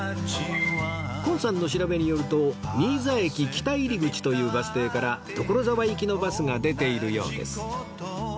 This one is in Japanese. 今さんの調べによると新座駅北入口というバス停から所沢行きのバスが出ているようです